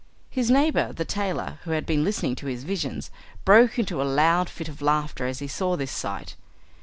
His neighbour the tailor, who had been listening to his visions, broke into a loud fit of laughter as he saw this sight.